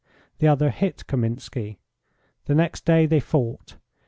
The other hit Kaminski. The next day they fought.